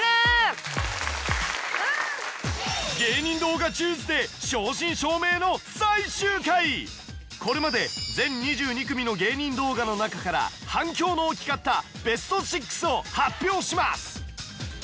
『芸人動画チューズデー』これまで全２２組の芸人動画の中から反響の大きかったベスト６を発表します！